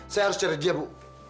saya harus cari dia bu